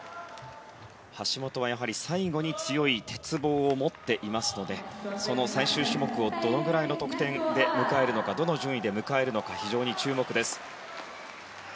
橋本は最後に強い鉄棒を持っていますのでその最終種目をどのくらいの得点で迎えるのかどの順位で迎えるのか非常に注目です。